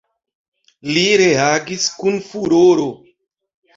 Li reagis kun furoro.